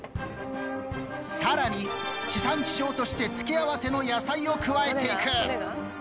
更に地産地消として付け合わせの野菜を加えていく。